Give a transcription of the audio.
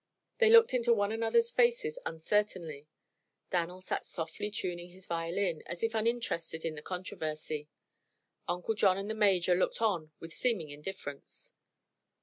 They looked into one another's faces uncertainly. Dan'l sat softly tuning his violin, as if uninterested in the controversy. Uncle John and the Major looked on with seeming indifference.